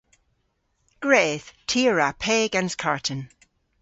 Gwredh. Ty a wra pe gans karten.